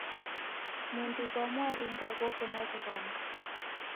Mudi gha mwaringa ghoko na w'ughanga.